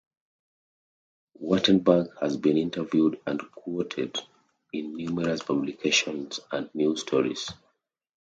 Wartenberg has been interviewed and quoted in numerous publications and news stories.